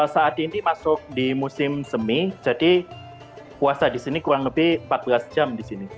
saat ini masuk di musim semi jadi puasa di sini kurang lebih empat belas jam di sini